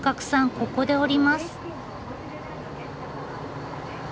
ここで降ります。